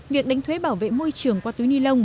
việc đánh thuế bảo vệ môi trường qua túi ni lông